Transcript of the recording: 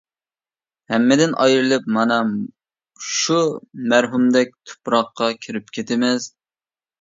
ھەممىدىن ئايرىلىپ مانا شۇ مەرھۇمدەك تۇپراققا كىرىپ كېتىمىز.